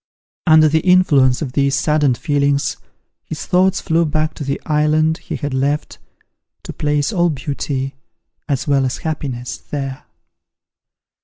Under the influence of these saddened feelings, his thoughts flew back to the island he had left, to place all beauty, as well as all happiness, there!